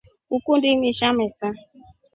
Ukundi imisha mesa?